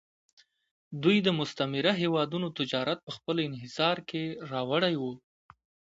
دوی د مستعمره هېوادونو تجارت په خپل انحصار کې راوړی و